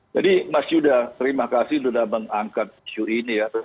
jadi mas yuda terima kasih sudah mengangkat isu ini ya